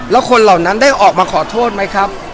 แล้วคนเหล่านั้นได้ออกมาขอโทษไหมครับ